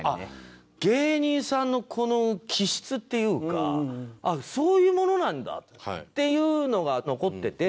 芸人さんの気質っていうかそういうものなんだっていうのが残ってて。